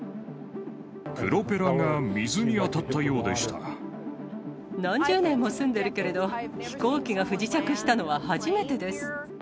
プロペラが水に当たったよう何十年も住んでるけれど、飛行機が不時着したのは初めてです。